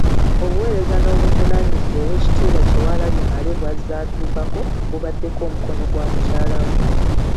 Obuweereza n'obuvunaanyizibwa Oweekitiibwa Kyewalabye Male bw'azze atuukako, bubaddeko omukono gwa mukyala we .